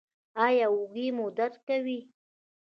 ایا اوږې مو درد کوي؟